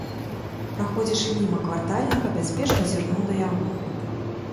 Праходзячы міма квартальнага, бяспечна зірнуў на яго.